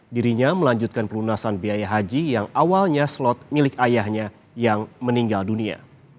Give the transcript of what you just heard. dirinya melanjutkan pelunasan biaya haji yang awalnya slot milik ayahnya yang meninggal dunia